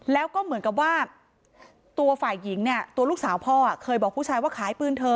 แล้วก็เหมือนกับว่าตัวฝ่ายหญิงเนี่ยตัวลูกสาวพ่อเคยบอกผู้ชายว่าขายปืนเธอ